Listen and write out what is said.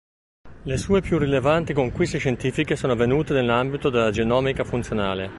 Le sue più rilevanti conquiste scientifiche sono avvenute nell'ambito della genomica funzionale.